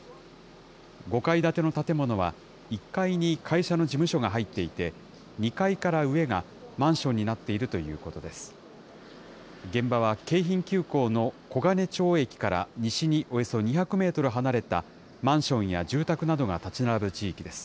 ５階建ての建物は、１階に会社の事務所が入っていて、２階から上がマンションになっているということです。